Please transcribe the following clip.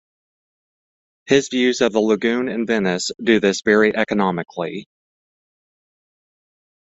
His views of the lagoon in Venice do this very economically.